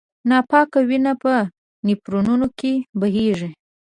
ناپاکه وینه په نفرونونو کې بهېږي.